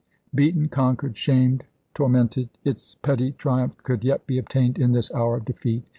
Beaten, conquered, shamed, tormented, its petty triumph could yet be obtained in this hour of defeat.